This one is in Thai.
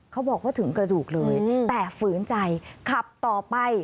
เขาบอกว่าถึงกระดูกเลยแต่ฝืนใจขับต่อไป